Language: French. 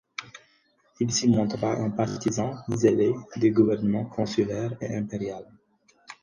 Il s'y montra un partisan zélé des gouvernements consulaire et impérial.